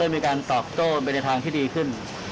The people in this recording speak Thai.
เริ่มมีการตอบโต้เป็นทางที่ดีขึ้น